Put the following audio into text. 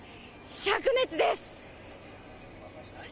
しゃく熱です。